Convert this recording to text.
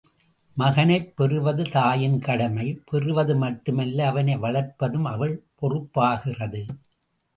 மகனைப் பெறுவது தாயின் கடமை பெறுவது மட்டுமல்ல அவனை வளர்ப்பதும் அவள் பொறுப்பாகிறது.